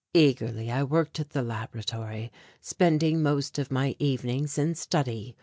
Eagerly I worked at the laboratory, spending most of my evenings in study.